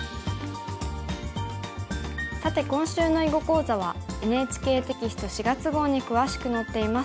さて今週の囲碁講座はＮＨＫテキスト４月号に詳しく載っています。